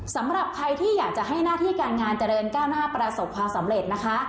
สำหรับใครที่อยากจะให้หน้าที่การงานเจริญก้าวหน้าประสบความสำเร็จนะคะ